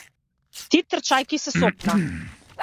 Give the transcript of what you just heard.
Ти трчајќи се сопна.